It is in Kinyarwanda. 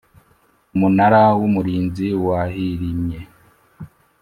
Umunara w Umurinzi wahirimye